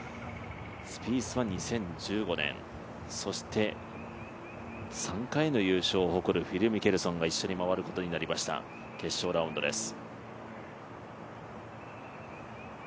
スピースは２０１５年、そして３回の優勝を誇るフィル・ミケルソンが一緒に回ることになりました決勝ラウンドです。